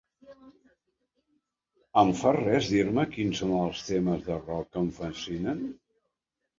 Et fa res dir-me quins són els temes de rock que em fascinen?